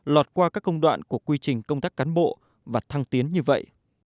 lọt qua các công đoạn của quy trình công tác cán bộ và thăng tiến như vậy